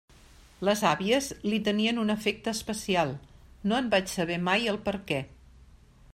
Les àvies li tenien un afecte especial; no en vaig saber mai el perquè.